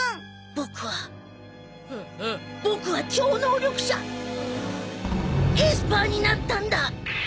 ボクはボクは超能力者エスパーになったんだ！